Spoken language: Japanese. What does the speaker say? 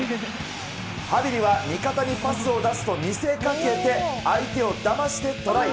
ハビリは味方にパスを出すと見せかけて、相手をだましてトライ。